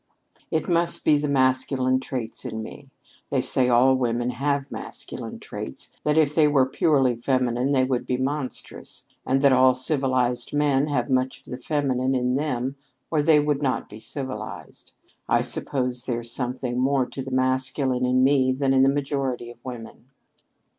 It must be the masculine traits in me. They say all women have masculine traits, that if they were purely feminine, they would be monstrous; and that all civilized men have much of the feminine in them or they would not be civilized. I suppose there's rather more of the masculine in me than in the majority of women."